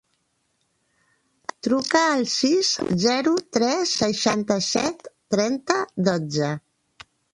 Truca al sis, zero, tres, seixanta-set, trenta, dotze.